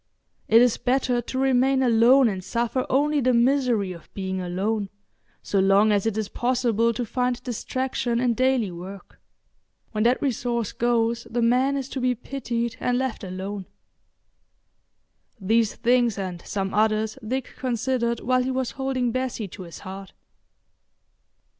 It is better to remain alone and suffer only the misery of being alone, so long as it is possible to find distraction in daily work. When that resource goes the man is to be pitied and left alone. These things and some others Dick considered while he was holding Bessie to his heart.